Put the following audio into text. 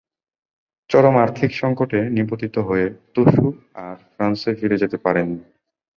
চরম আর্থিক সঙ্কটে নিপতিত হয়ে তুসো আর ফ্রান্সে ফিরে যেতে পারেননি।